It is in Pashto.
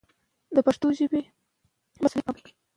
هغه ټولنه چې ګډون ولري، مسؤلیت پکې عام وي.